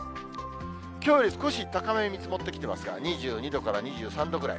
きょうより少し高めに見積もってますが、２２度から２３度ぐらい。